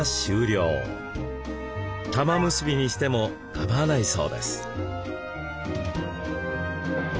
玉結びにしても構わないそうです。